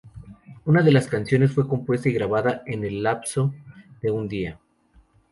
Una de las canciones fue compuesta y grabada en el lapso de un día.